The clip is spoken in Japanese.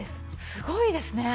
すごいですね。